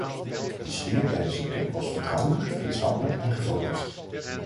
De sfeer tijdens de top was vertrouwelijk, vriendschappelijk en gefocust.